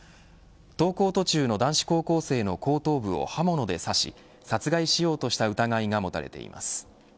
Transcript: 登校途中の男子高校生の後頭部を刃物で刺し殺害しようとした疑いが持たれています。